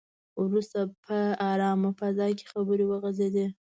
وروسته په ارامه فضا کې خبرې وغځېدې.